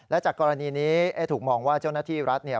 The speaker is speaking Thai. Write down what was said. และจากกรณีนี้ถูกมองว่าเจ้าหน้าที่รัฐเนี่ย